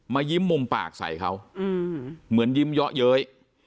ยิ้มมุมปากใส่เขาเหมือนยิ้มเยาะเย้ย